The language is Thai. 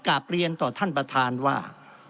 กลับเรียนต่อท่านประธานว่า